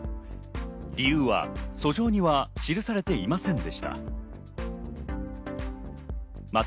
理由は訴状には記されていませんでした。